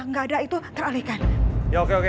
nggak ada itu teralihkan ya oke oke